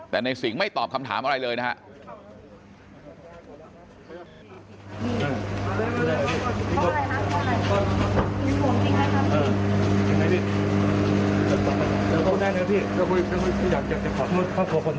แต่ในสิงห์ไม่ตอบคำถามอะไรเลยนะครับ